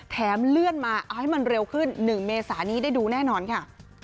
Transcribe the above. เลื่อนมาเอาให้มันเร็วขึ้น๑เมษานี้ได้ดูแน่นอนค่ะ